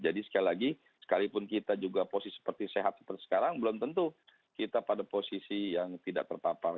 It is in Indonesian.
jadi sekali lagi sekalipun kita juga posisi seperti sehat seperti sekarang belum tentu kita pada posisi yang tidak terpapar